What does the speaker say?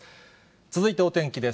続いてお天気です。